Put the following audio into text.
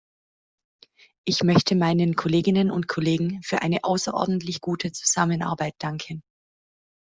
Ich möchte meinen Kolleginnen und Kollegen für eine außerordentlich gute Zusammenarbeit danken.